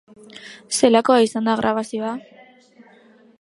Zelakoa izan da grabazioa?